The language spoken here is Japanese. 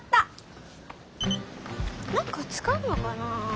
なんか使うのかな？